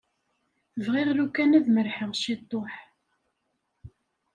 Bɣiɣ lukan ad merrḥeɣ ciṭuḥ.